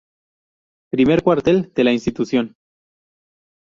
Primer Cuartel: De la Institución.